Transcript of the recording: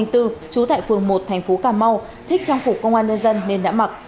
trú tại phường một thành phố cà mau thích trang phục công an nhân dân nên đã mặc